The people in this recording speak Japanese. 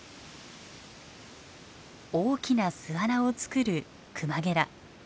大きな巣穴を作るクマゲラ。